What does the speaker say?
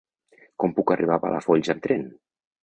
Com puc arribar a Palafolls amb tren?